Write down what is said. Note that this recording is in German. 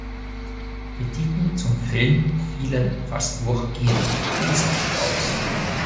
Kritiken zum Film fielen fast durchgehend positiv aus.